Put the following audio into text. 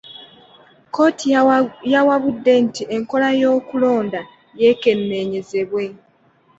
Kkooti yawabudde nti enkola y'okulonda yekenneenyezebwe.